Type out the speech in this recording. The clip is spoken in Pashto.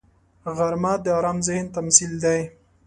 غرمه د آرام ذهن تمثیل دی